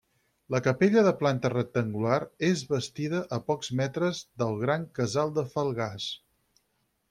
La capella de planta rectangular és bastida a pocs metres del gran casal de Falgars.